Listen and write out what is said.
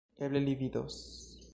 Eble li vidos...